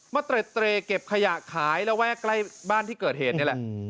เตรเก็บขยะขายระแวกใกล้บ้านที่เกิดเหตุนี่แหละ